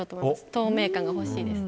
透明感が欲しいです。